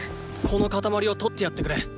このカタマリを取ってやってくれ。